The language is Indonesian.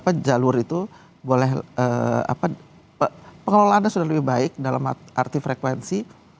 apa jalur itu boleh pengelolaannya sudah lebih baik dalam arti frekuensi